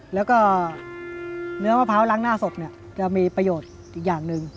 แล้วก็เนื้อมะพร้าวล้างหน้าสดเนี่ยจะมีประโยชน์อีกอย่างหนึ่ง